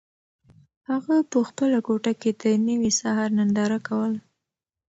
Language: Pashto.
هغه په خپله کوټه کې د نوي سهار ننداره کوله.